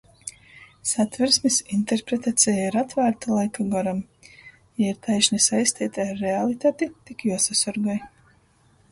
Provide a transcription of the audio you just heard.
Satversmis interpretaceja ir atvārta laika goram, jei ir taišni saisteita ar realitati, tik juosasorgoj,